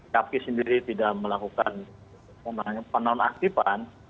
kaki sendiri tidak melakukan penonaktifan